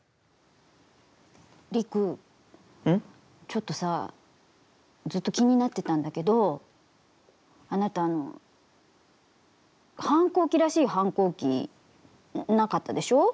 ちょっとさずっと気になってたんだけどあなた、あの反抗期らしい反抗期なかったでしょう？